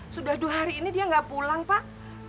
sudah dua hari ini dia nggak pulang pak